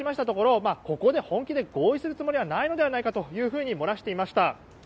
ところここで本気で合意するつもりはないのではないかと漏らしていました。